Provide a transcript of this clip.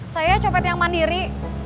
saya copet yang mandiri